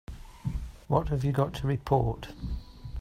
What have you got to report?